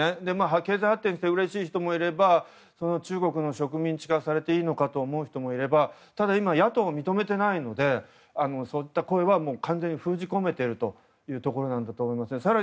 経済発展してうれしい人もいれば中国に植民地化されていいのかという人もいればただ今、野党は認めてないのでそういった声は完全に封じ込めているというところだと思います。